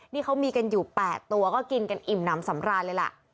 นี่เขามีกันอยู่๘ตัวก็กินกันอิ่มน้ำสำราญเลยล่ะ